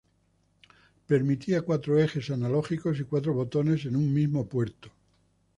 Permitía cuatro ejes analógicos y cuatro botones en un mismo puerto.